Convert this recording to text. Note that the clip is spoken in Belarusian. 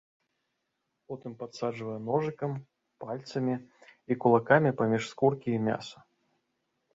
Потым падсаджвае ножыкам, пальцамі і кулакамі паміж скуркі і мяса.